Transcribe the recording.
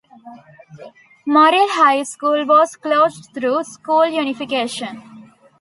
Morrill High School was closed through school unification.